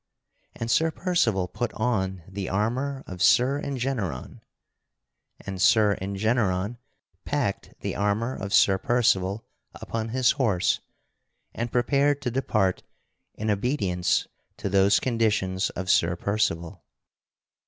And Sir Percival put on the armor of Sir Engeneron, and Sir Engeneron packed the armor of Sir Percival upon his horse and prepared to depart in obedience to those conditions of Sir Percival.